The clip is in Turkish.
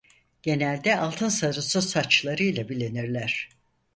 Genelde altın sarısı saçlarıyla bilinirler.